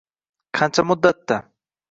Qancha muddatda?